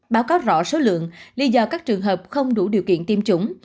báo cáo rõ số lượng lý do các trường hợp không đủ điều kiện tiêm chủng